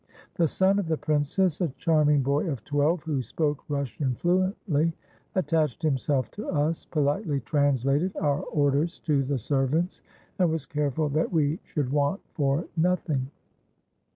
The son of the princess, a charming boy of twelve, who spoke Russian fluently, attached himself to us, politely translated our orders to the servants, and was careful that we should want for nothing.